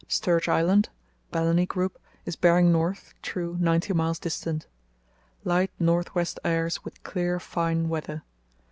Sturge Island (Balleny Group) is bearing north (true) ninety miles distant. Light north west airs with clear, fine weather.